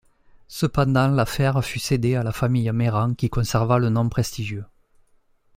Cependant l'affaire fut cédée à la famille Mérand qui conserva le nom prestigieux.